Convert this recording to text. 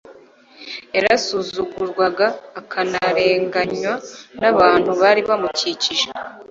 Yarasuzugurwaga akanarenganywa n'abantu bari bamukikije.